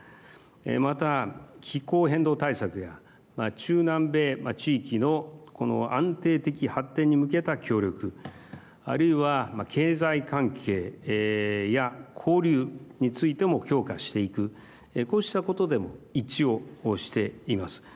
また、気候変動対策や中南米地域の安定的発展に向けた協力あるいは、経済関係や交流についても強化していくこうしたことでも一致をしています。